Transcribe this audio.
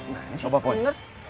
nah ini bener